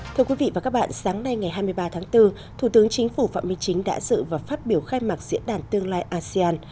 thưa quý vị và các bạn sáng nay ngày hai mươi ba tháng bốn thủ tướng chính phủ phạm minh chính đã dự và phát biểu khai mạc diễn đàn tương lai asean